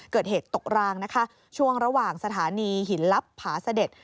เกิดเหตุตกรางนะคะช่วงระหว่างสถานีหินลับผาเสด็จ